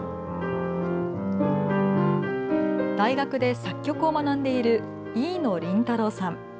大学で作曲を学んでいる飯野麟太郎さん。